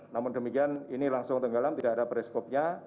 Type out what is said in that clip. namun demikian ini langsung tenggelam tidak ada bereskopnya